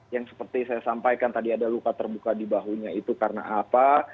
yang seperti saya sampaikan tadi ada luka terbuka di bahunya itu karena apa